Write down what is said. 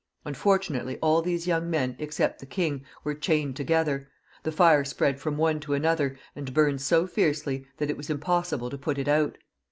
Unfortu nately all these young men, except the king, were chained together ; the fire spread from one to another, and burned so fiercely that it was impossible to put it out.